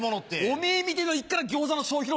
おめぇみてぇのがいっから餃子の消費量